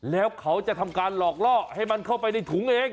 แล้วเขาจะทำการหลอกล่อให้มันเข้าไปในถุงเอง